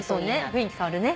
雰囲気変わるね。